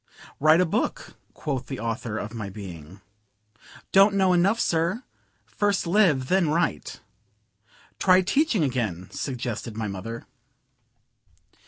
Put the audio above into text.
"Write a book," quoth the author of my being. "Don't know enough, sir. First live, then write." "Try teaching again," suggested my mother.